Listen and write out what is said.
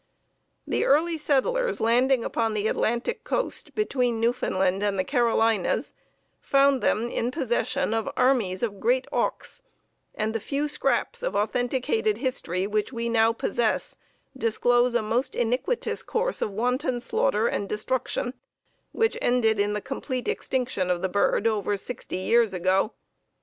The early settlers landing upon the Atlantic coast between Newfoundland and the Carolinas found them in possession of armies of great auks, and the few scraps of authenticated history which we now possess disclose a most iniquitous course of wanton slaughter and destruction which ended in the complete extinction of the bird over sixty years ago.